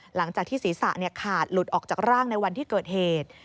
หลังจากที่ศีรษะขาดหลุดออกจากร่างในวันที่เกิดเหตุ